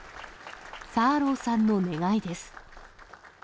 サーローさんの願いです。